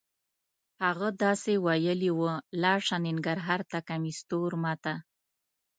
هغه داسې ویلې وه: لاړ شه ننګرهار ته کمیس تور ما ته.